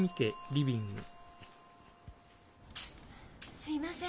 すいません。